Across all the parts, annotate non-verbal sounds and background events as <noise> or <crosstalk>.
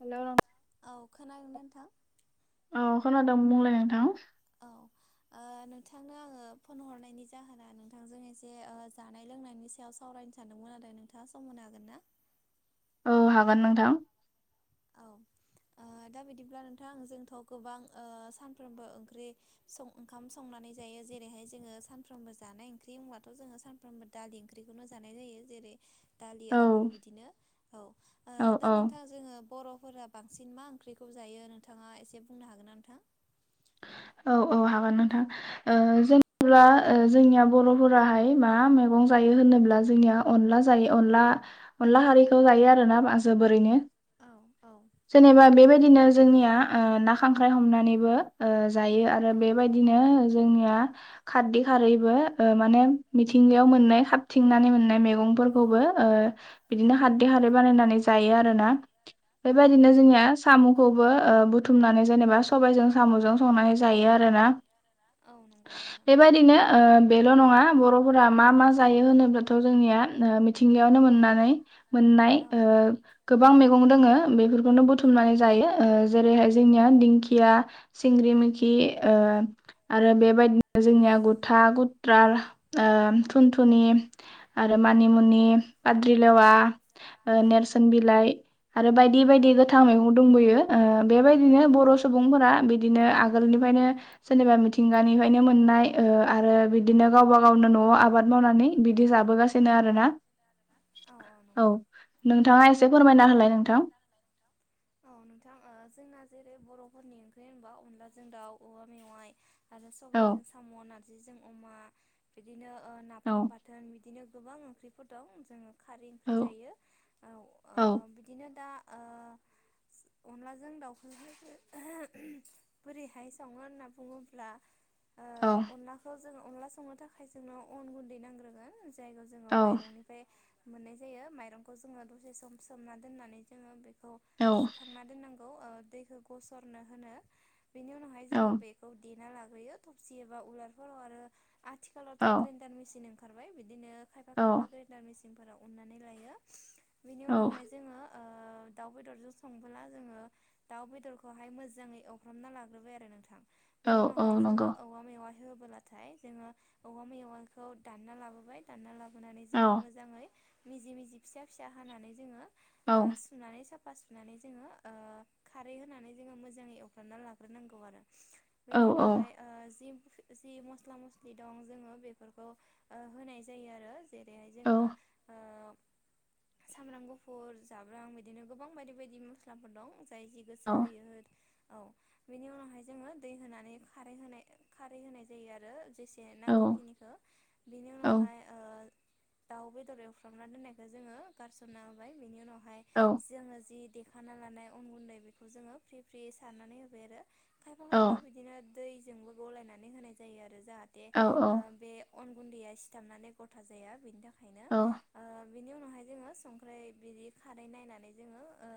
हेल' औ खोनादोंना नोंथां औ खोनादों बुंलाय नोंथां औ <inaudible> ओ नोंथांनो आङो फन हरनायनि जाहोना नोंथांजों एसे ओ जानाय लोंनायनि सायाव सावरायनो सानो दोंमोन आरो नोंथाङा सम होनो हागोन ना? औ हागोन नोंथां। औ ओ दा बिदिब्ला नोंथां जोंथ' गोबां ओ सानफ्रोमबो ओंख्रि सं ओंखाम संनानै जायो जेरैहाय जोङो सानफ्रामबो जानाय ओंख्रि होनब्लाथ' जोङो सानफ्रामबो दालि ओंख्रिखौनो जानाय जायो जेरै दालि औ आलु बिदिनो औ ओ औ दा औ नोंथां जोङो बर'फोरा बांसिन मा ओंख्रिखौ जायो नोंथाङा एसे बुंनो हागोन ना नोंथां? औ औ हागोन नोंथां ओ जेनेब्ला ओ जोंनिया बर'फोराहाय मा मैगं जायो? होनोब्ला जोंनिया अनला जायो अनला अनला खारैखौ जायो आरो ना जोबोरैनो। औ औ जेनेबा बेबायदिनो जोंनिया ओ ना खांख्राइ हमनानैबो ओ जायो आरो औ बेबायदिनो जोंनिया खारदै खारैबो ओ माने मिथिंगायाव मोननाय खाथिंनानै मोननाय मेगं फोरखौबो ओ औ बिदिनो खारदै खारै बानायनानै जायो आरोना। औ बेबायदिनो जोंनिया साम'खौबो ओ बुथुमनानै जेनेबा सबायजों साम'जों जायो आरोना।। औ नंगौ नोंथां बेबायदिनो ओ बेल' नङा बर'फोरा मा मा जायो होनोब्लाथ' जोंनिया ओ मिथिंगायावनो मोननानै मोननाय औ ओ गोबां मैगं दोङो बेफोरखौनो बुथुमनानै जायो जेरैहाय जोंनि दिंखिया। सिंग्रि मिखि ओ आरो बेबायदिनो जोंनिया गुथा गुथ्रा ओ ओ थुनथुनि आरो मानिमुनि बाद्रिलेवा ओ औ नेरसोन बिलाइ आरो बायदि औ बायदि गोथां मैगं दंबोयो ओ बेबायदिनो बर' सुबुंफोरा बिब आगोलनिफ्रायनो जेनेबा मिथिंगानिफ्रायनो मोननाय ओ आरो बिदिनो गाव बा गा गावनो न'आव आबाद मावनानै बिदि जाबोगासिनो आरोना। औ औ नंगौ नोंथाङा एसे फोरमायना होलाय नोंथां। औ नोंथां ओ जोंना जे बे बर'फोरनि ओंख्रि होनबा अनलाजों दाउ अमा मेवाइ आरो औ सबाइजों साम' नार जिजों अमा बिदिनो ओ औ नाफाम बाथोन बिदिनो गोबां ओंख्रिफोर दं जोङो खारै औ ओंख्रि जायो ओ ओ औ बिदिनो दा ओ <inaudible> <unintelligible> अनलाजों दाउखौहाय बोरैहाय सङो होनना बुङोब्ला औ। ओ अनलाखौ जोङो अनला संनो थाखाय जोंनो अन गुन्दै नांग्रोगोन जायखौ जोङो औ माइरंनिफ्राय मोननाय जायो माइरंखौ जोङो दसे सम सोमना दोननानै जोङो बेखौ औ सुखांना दोननांगौ। गौ ओ दैखौ गसरनो होनो बिनि उनावहाय औ जोङो बेखौ देना ला यो थबसि एबा उलारफोराव आरो आथिखालावथ' औ ग्रेण्डार मेसिन ओंखारबाय बिदिनो खायफा खायफा ग्रेण्डार मेसिनफोराव उननानै लायो बिनि औ उनावहाय जोङो ओ <inaudible> दाउ बेदरजों संबोला जोङो दाउ बेदरखौहाय मोजाङै एवफ्रामना लाग्रोबाय आरो नोंथां। औ बेनि औ उनावहाय जोङो नंगौ औवा मेवा होबोलाथाय जोङो औवा मेवाइखौ दानना लाबोबाय दानना लाबोनानै औ जोङो मोजाङै मिजि मिजि फिसा फिसा हानानै जोङो औ ओ सुनानै साफ साफा सुनानै जोङो खारै होनानै जोङो मोजाङै एवफ्रामना लाग्रोनांगौ आरो। औ बेनि उनावहाय ओ जि जि मस्ला मस्लि दं जोङो बेफोरखौ ओ होनाय जायो आरो जेरैहाय औ जोङो ओ सामब्राम गुफुर जाब्रां बिदिनो गोबां बायदि बायदि मस्लाफोर दं। जाय जि गोसो औ होयो हो औ बेनि उनावहाय जोङो दै होनानै खारै होनाय खारै होनाय जायो आरो जेसे जे औ नांगौखिनिखौ बेनि उनावहाय ओ दाउ बेदर एवफ्रामना दोननायखौ जोङो गारसनना होबाय बेनि उनावहाय औ जोङो जि खखाना लानाय अन गुन्दै बेखौ जोङो फ्रि फ्रि सारनानै होबाय आरो खायफा खायफा बिदिनो दैजोंबो गलायनानै होनाय जायो आरो ओ औ जाहाथे बे अन गुन्दैया सिथाबनानै गथा जाया बेनि थाखाय औ। बिनि उनावहाय जोङो संख्र्रि बिदि खारै नायनानै जोङो ओ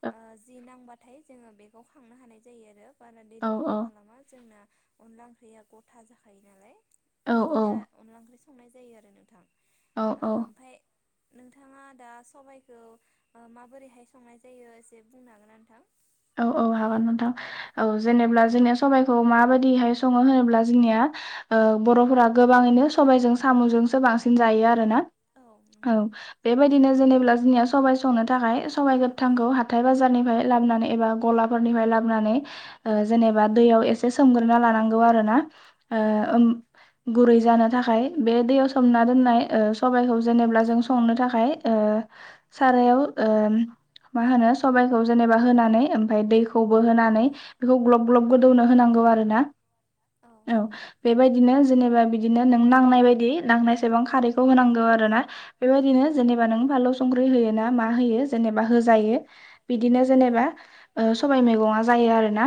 औ ओ जि नांबा नाथाय जोङो बेगाव खांनो हानाय जायो आरो बारा औ दैलाव लबो खालामा जोंना अनला ओंख्रिया गथा जाखायो नालाय औ बिदिनो अनला ओंख्रि संनाय जायो आरो नोंथां। औ ओ औ ओमफाय नोंथाङा दा सबाइखौ माबोरैहाय संनाय जायो एसे बुंनो हागोन न नोंथां औ औ हागा मोनथां औ जेनेबा जोंनिया सब म बायदिाय सो होनोब्ला जोंनि बर'फोरा गोबाङैनो स सो ज औ नंगौ दिनै जेनेबब्ला जोंनिया सबबाय संनो थाखाय सबाइ गोथांखौ हाथाय बाजारनिफ्राय लाबोनानै एबा गलाफोरनिफ्राय लाबोनानै औ जेनेबा दैयाव एसे सोमग्रोना लानांगौ आरो ना औ आ गुरै ज थाखाय बे दैयाव सोमना दोननाय सबबायखौ जेनेबा जों संनो थाखाय सारायाव मा होनो सबाइखौ जेनेबा होनानै ओमफ्राय दैखौबो होनानै बेखौ ग्लब ग्लब गोदौनो होनांगौ आरोोना औ बेबायदिनो जेनेबा बिदिनो नों नांनाय बायदि नांनायसेबां खारैखौ होनांगौ आरो ना बेबायदिनो औ जेनेबा नों फानलु संख्रि होयो ना मा होयो जेनेबा होजायो बिदिनो औ जेनेबा सबाय मैगङा जायो आरो ना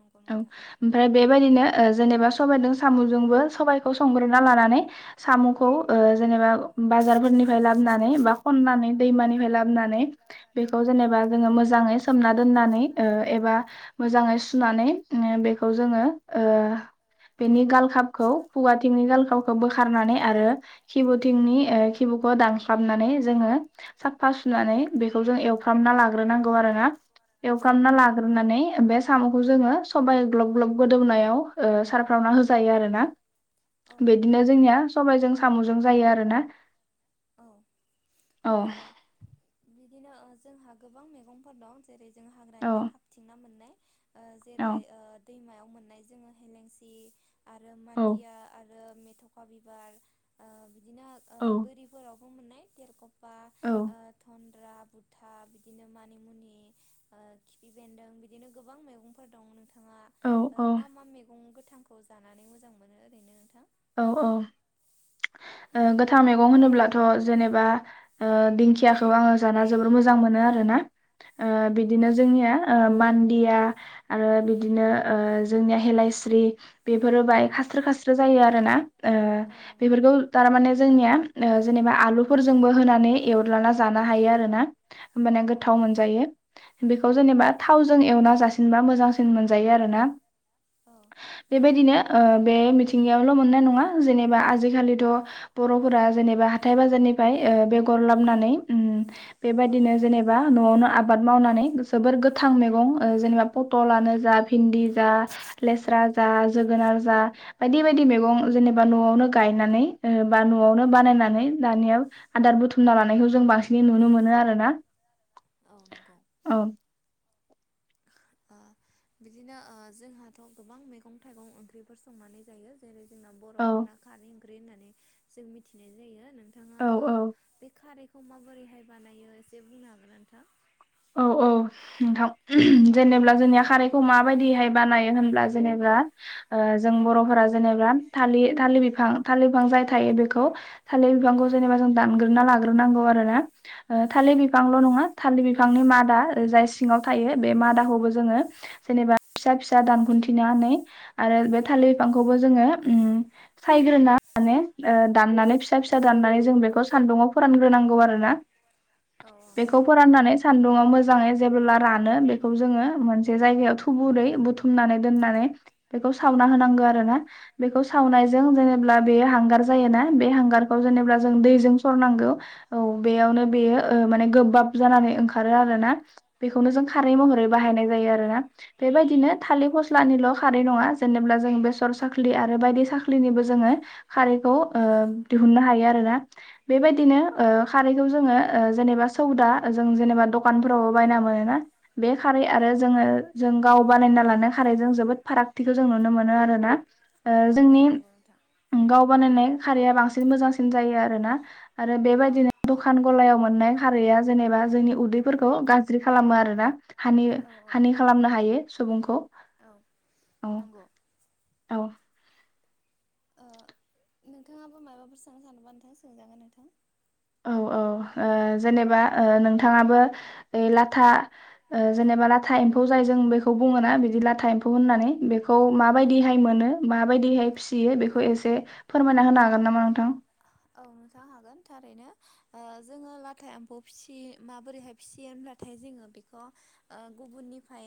नंगौ औ नोंथां ओमफ्राय औ बेबायदिनो जेनेबा सबायदों सामुजोंबो सबायखौ संग्रोना लानानै सामुखो ओ जेनेबा <unintelligible> नानै बा खननानै दैमानिफाय लाबनानै बेखौ जनेबा जोङो <unintelligible> मोजाङै सोमना दोननानै एबा ओ मोजाङै सुनानै बेखौ जोङो ओ बेनि गालखाबखौ फुवाथिंनि गालखाबखौ बोखारनानै औ आरो खिबुथिंनि <unintelligible> दाननानै जोङो साफा सुनानै बेखौ जों एवफ्रामना लाग्रोन <unintelligible> खौ जोङो औ सबबाय ग्लब ग्लब गोदौनायाव सारफ्रावना होजायो आरो ना। औ नंगौ बिदिनो नोंथां। जोंनिया सबायाइजों साम'जों जायो आरोना। <unintelligible> औ। ओ औ <inaudible> औ। जेरै औ <inaudible> औ <inaudible> औ। ओ <unintelligible> नोंथाङा मा मा मैगं गोथांखौ औ जानानै मोजां मोनो ओरैनो नोंथां औ औ। गोथां मैगं होनोब्लाथ' जेनेबा दिंखियाखौ आङो जाना जोबोर मोजां मोनो आर ना ओ औ बिदिनो नंगौ जोंनिया ओ मान <unintelligible> औ आरो ना ओ औ नंगौ। बेफोरखौ थारमाने जोंनिया ओ जेनेबा आलुफोरजोंबो होनानै एवलना जानो हायो आरो ना। होमबाने औ गोथाव मोनजायो बेखौ औ। औ जेनेबा थावजों एवना जासिनबा मोजां जों मोनजायो आरोना बेबायदिनो ओ बे मिथिंगायाव मोननाय नङा जेनेबा आजिखालिथ बर'फोरा हाथाय बाजारनिफ्राय अ बेगर लाबो नानै ओम औ। बेबादिनो जेनोबा नलावनो आबाद मावनानै जोबोर गोथां मैगं जेनेबा पथलानो जा भिन्दि जा लेस्रा जा जोगोनार जा बायदि बेबायदि मैगं जेनेबा न'आवनो गायनानै ओ बा न'आवनो बानायनानै नि दानिया आदार बुथुमना लानायखौ जों बांसिनै नुनो मोनो आरोना औ नंगौ। औ अ बिदिनो अ जोंहाथ' गोबां मैगं थाइगं ओंख्रिफोर संनानै जायो जेरै जोंना औ बर'फोरना खारै ओंख्रि होननानै जों मिथिनाय जायो नोंथाङा औ अ औ बे खारैखौ माबोरैहाय बानायो एसे बुंनो हागोन नोंथां औ औ नोंथां औ जेनेबा जोंनिया खारैखौ मा बायदिहाय बानायो होनब्ला जेबा अ जों औ बर'फोरा जेनेबा थालि थालिबिफां बिफां थालिर बिफां जाय थायो बेखौ थालिर औ बिफांखौ जेनेबा जों दानग्रोना लाग्रोनांगौ आरो ना थालिर औ बिफांल' नङा थालिर बिफां बिफांनि मादा जाय सिङाव थायो बे मादाखौबो जोङो जेनेबा फिसा फिसा दानखुन्थिना नै आरो बे थालिर बिफांखौबो जोङो ओम सायग्रोना माने अ दाननानै फिसा फिसा दाननानै जों बेखौ सान्दुङाव फोरानग्रोनांगौ आरो ना औ बेखौ नंगौ फोराननानै सान्दुङाव मोजाङै जेबोब्ला रानो बेखौ जोङो मोनसे जायगायाव थुबुरै बुथुमनानै दोननानै बेखौस सावना होनांगौ औ आरो ना बेखौ सावनायजों जेनेब्ला बेयो हांगार जायोना बे हांगार खौ जेनेबा औ जों दैजों सरनांगौ औ बेयावनो बेयो माने गोबाब जानानै खारो आरोना बेखौनो जों खारै महरै बाहायनाय जायो आरोना बेबायदिनो थालिर फस्लानिल' खारै नङा जेनेबा जों बेसर साख्लि आरो बायदि साख्लिनिबो जोङो खारै खौ अ दिहोननो हायो आरोना बेबायदिनो अ खारैखौ जोङो जेनेबा सौदा जा जों जेनैबा दकानफोरावबो बायना मोनो ना बे खारै औ आरो जोङो जों गाव बानायना लानाय खारै जों जोबोद फारागथिखौ जों नुनो मोनो आरोना औ जोंनि नंगौ नोंथां गाव बानायनाय खारिया बांसिन मोजांसिन जायो आरोना आरो औ बेबायदिनो दखान गलायाव मोननाय खारैया जेनेबा जोंनि उदै गाज्रि खालामो आरोना हानि औ औ हानि खालामनो हायो सुबुंखौ औ औ नंगौ औ अ नोंथाङाबो माबाफोर सनो सानोबा नोंथां सोंजागोन नोंथां औ अ जेनेबा नोंथाङाबो लाथा जेबा लाथा खौ जाय जों बेखौ बुङो ना बिदि लाथा एमफौ होननानै खौ औ माबायदिहाय मोनो माबायदिहाय फिसियो बेखौ एसे फोरमायना होनो हागोन नामा नोंथां औ नोंथां हागोन थारैनो अ जोङो लाथाय एम्फौ फिसि माबोरैहाय फिसियो थाय जोङो बेखौ गुबुननिफ्राय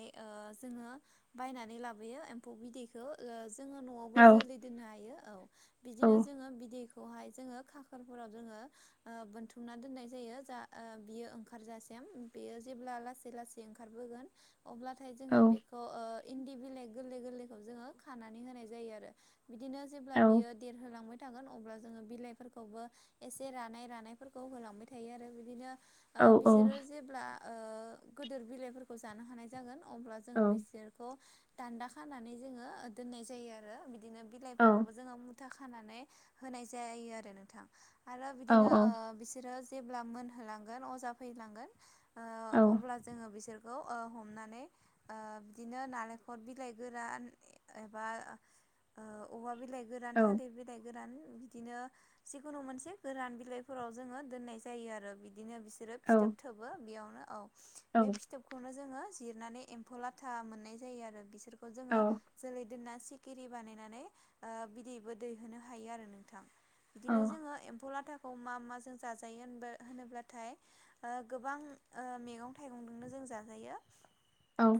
जोङो बायनानै लाबोयो एमफौखौ बिदैखौ अ जोङो न'आवबो औ जोलै दोननो हायो औ औ बिदिनो जोङो बिदैखौ जोङो खाखोरफोराव जोङो बोनथुमना दोननाय जायो जा आ बियो ओंखारजासिम बेयो जेब्ला लासै लासै ओंखारबोगोन अब्लाथाय औ जोङो बेखौ अ इन्दि बिलइ गोरलै गोरलैखौ जोङो खानानै होनाय जायो आरो बिदिनो जेब्ला औ बियो देरहोलांबाय थागोन अब्ला जोङो बिलाइफोरखौबो एसे रानाय रानायफोरखौ होलांबाय थायो आरो बिदिनो अ औ बिसोरो जेब्ला अ गोदोर बिलाइफोरखौ जानो हानाय जागोन अब्ला जों औ बिसोरखौ दान्दा खानानै जोङो दोननाय जायो आरो बिद बिदिनो बिलाइफोरखौबो जोङो मुथा खानानै होनाय जायो आरो नोंथां आरो औ बिदिनो अ बिसोरो जेब्ला मोनहोलांगोन अजा फैलांगोन अ औ अब्ला जोङो बिसोर <inaudible> आ बिदिनो नारेखल बिलाइ गोरान एबा ओ औवा बिलाइ गोरान औ थालिर बिलाय गोरान बिदिनो जिकुनु मोनसे गोरान बिलाइफोराव जोङो दोननाय जायो आरो बिदि बिदिनो बिसोरो फिथोब औ थोबो बेयावनो औ औ बे औ फिथोबखौनो जोङो जिरनानै एम्फौ लाथा मोननाय जायो आरो बिसोरखौ जोङो जोलै दोनना सिखिरि बानायनानै‌ ओ बिदैबो दैहोनो हायो आरो नोंथां बिदिनो जोङो एम्फौ लाथाख खौ मा मा जों जाजायो होनबो होनोब्लाथाय ओ गोबां ओ मेगं थाइगं दोंनो जोङो जाजायो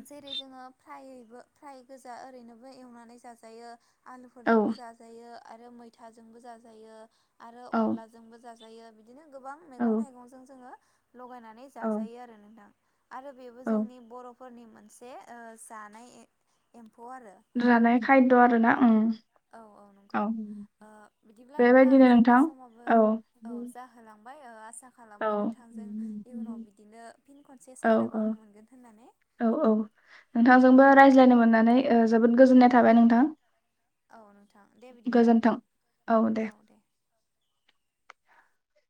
जेरै जोङो फ्रायबो फ्राय गोजा ओरैनोबो एवनानै जाजायो आलुफोरजोंबो जाजायो आरो मैथाजोंबो जाजायो आरो औ अनलाजोंबो जाजायो जाजायो बिदिनो गोबां औ मेगं थाइगंजों जोङो लगायनानै जाजायो आरो नोंथां आरो बेबो औ जोंनि बर'फोरनि मोनसे ओ जानाय एम जानाय खायद' आर ना उम औ नंगौ औ ओ बिदिब्ला बेबायदिनो नोंथां औ उमफ्राय ओ आसा औ खालामो नोंथांजों इयुनाव बिदिनो फिन खनसे औ सावरायबावनो मोनगोन होननानै औ औ औ नोंथांजोंबो रायज्लायनो मोननानै ओ जोबोद गोजोननाय थाबाय नोंथां औ नोंथां दे बिदिब्ला गोजोन्थों नोंथां औ दे